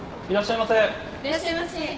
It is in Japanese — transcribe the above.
いらっしゃいませ。